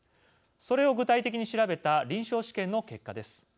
それを具体的に調べた臨床試験の結果です。